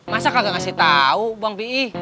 masa kagak ngasih tau bang pi